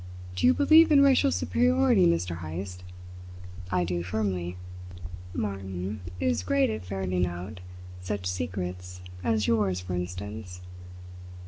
Do you believe in racial superiority, Mr. Heyst? I do, firmly. Martin is great at ferreting out such secrets as yours, for instance."